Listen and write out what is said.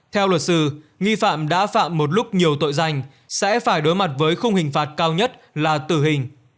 theo luật sư nghi phạm đã phạm một lúc nhiều tội danh sẽ phải đối mặt với khung hình phạt cao nhất là tử hình